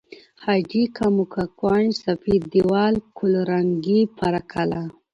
حاجي که، موکه، کونج، سپید دیوال، قل زنگي، پاره قلعه